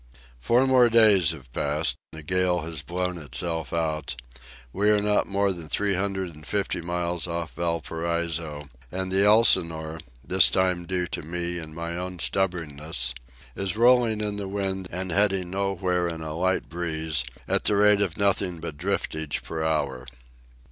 Four more days have passed; the gale has blown itself out; we are not more than three hundred and fifty miles off Valparaiso; and the Elsinore, this time due to me and my own stubbornness, is rolling in the wind and heading nowhere in a light breeze at the rate of nothing but driftage per hour.